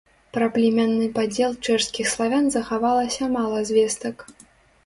Пра племянны падзел чэшскіх славян захавалася мала звестак.